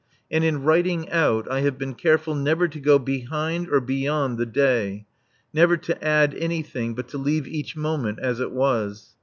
And in writing out I have been careful never to go behind or beyond the day, never to add anything, but to leave each moment as it was.